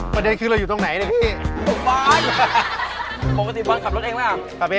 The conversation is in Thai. ประเด็นคือเราอยู่ตรงไหนเนี่ยพี่ตรงบ้านปกติบ้านขับรถเองไหมครับ